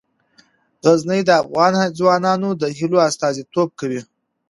غزني د افغان ځوانانو د هیلو استازیتوب کوي.